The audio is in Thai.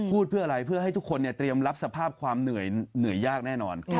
พูดเพื่ออะไรเพื่อให้ทุกคนเตรียมรับสภาพความเหนื่อยยากแน่นอน